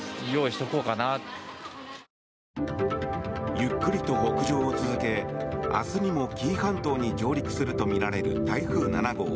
ゆっくりと北上を続け明日にも紀伊半島に上陸するとみられる台風７号。